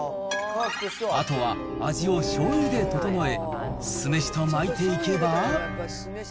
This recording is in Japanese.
あとは味をしょうゆで調え、酢飯と巻いていけば。